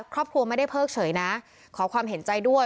ครอบครัวไม่ได้เพิกเฉยนะขอความเห็นใจด้วย